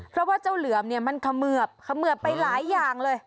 เพราะว่าเจ้าเหลือมเนี่ยมันเขมือบเขมือบไปหลายอย่างเลย